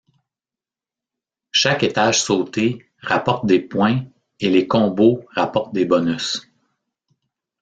Chaque étage sauté rapporte des points et les combos rapportent des bonus.